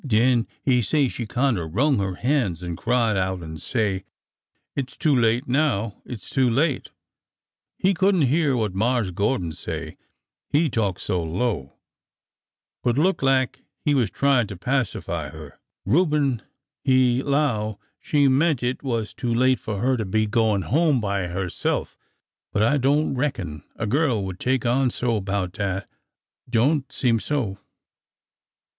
Den he say she kinder wrung her hands an' cried out an' say :' It 's too late now ! it 's too late !' He couldn' hyeah what Marse Gordon say, — he talk so low, — but look lak he was tryin' to pacify 'er. Reuben he 'low maybe she meant it was too late for her to be goin' home by herself ; but I don't reckon a gyurl would take on so 'bout dat ! Don't seem so."